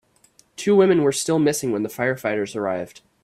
Two women were still missing when the firefighters arrived.